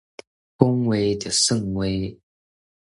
講話就算話